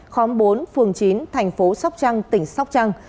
khóm bốn phường chín thành phố sóc trăng tỉnh sóc trăng